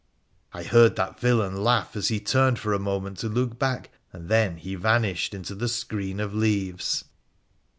I heard that villain laugh as he turned for a moment to look back, and then he vanished into the screen of leaves.